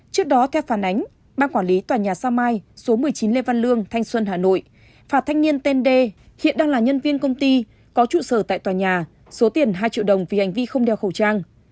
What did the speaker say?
trước đó theo phản ánh ban quản lý tòa nhà sao mai số một mươi chín lê văn lương thanh xuân hà nội phạt thanh niên tên d hiện đang là nhân viên công ty có trụ sở tại tòa nhà số tiền hai triệu đồng vì hành vi không đeo khẩu trang